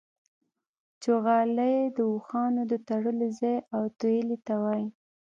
چوغالی د اوښانو د تړلو ځای او تویلې ته وايي.